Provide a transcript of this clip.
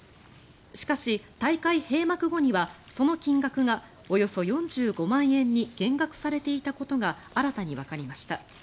しかし、大会閉幕後にはその金額がおよそ４５万円に減額されていたことが新たにわかりました。